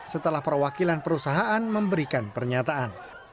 setelah perwakilan perusahaan memberikan pernyataan